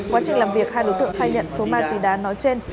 quá trình làm việc hai đối tượng khai nhận số ma túy đá nói trên